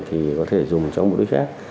thì có thể dùng cho mục đích khác